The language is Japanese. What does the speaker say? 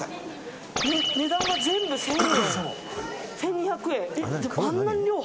値段が全部１０００円。